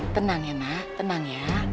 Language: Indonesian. tenang ya nak tenang ya